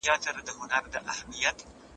خدای انسان د مځکي د ابادولو لپاره پيدا کړ.